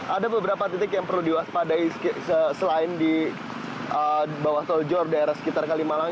ada beberapa titik yang perlu diwaspadai selain di bawah tol jor daerah sekitar kalimalang